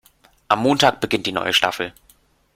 Am Montag beginnt die neue Staffel.